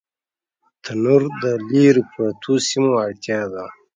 تنور د لرو پرتو سیمو اړتیا ده